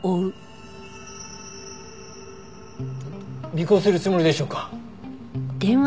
尾行するつもりでしょうか？